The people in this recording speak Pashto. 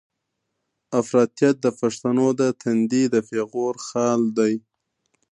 افراطيت د پښتنو د تندي د پېغور خال دی.